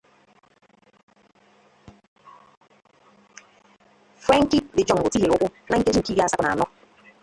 Frenkie de Jong tihiere ụkwụ na nkeji nke iri asatọ na anọ